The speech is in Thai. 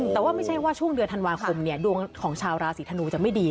อ๋อแต่ผู้ใหญ่ไม่ได้ลาพักร้อนอะไรไป